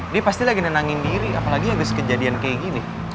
dia pasti lagi nenangin diri apalagi abis kejadian kayak gini